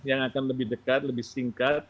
yang akan lebih dekat lebih singkat